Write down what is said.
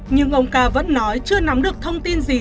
nhưng ông ca vẫn nói chưa nắm được thông tin gì